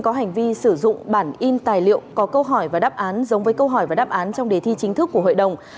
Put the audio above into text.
có hành vi sử dụng bản in tài liệu có câu hỏi và đáp án giống với câu hỏi và đáp án trong đề thi chính thức của hội đồng